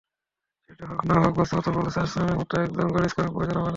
সেটি হোক না-হোক বাস্তবতা বলছে, আসলামের মতো একজন গোলস্কোরার প্রয়োজন আমাদের।